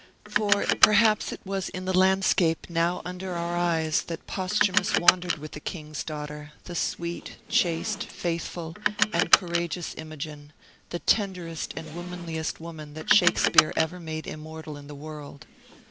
For perhaps it was in the landscape now under our eyes that Posthumus wandered with the King's daughter, the sweet, chaste, faithful, and courageous Imogen, the tenderest and womanliest woman that Shakespeare ever made immortal in the world.